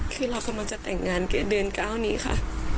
คือเรากำลังจะแต่งงานเดือน๙นี้ค่ะ